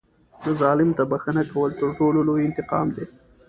ظالم ته بښنه کول تر ټولو لوی انتقام دی.